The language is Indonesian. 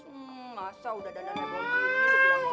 hmm masa udah dandanan gue gitu